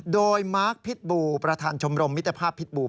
โดยมาร์คพิษบูประธานชมรมมิตรภาพพิษบู